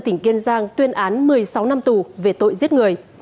tỉnh kiên giang tuyên án một mươi sáu năm tù về tội giết người